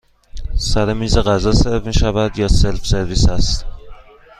سر میز غذا سرو می شود یا سلف سرویس هست؟